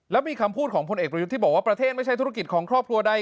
แล้วมีคำพูดของพลเอกประยุทธ์ที่บอกว่าประเทศไม่ใช่ธุรกิจของครอบครัวใด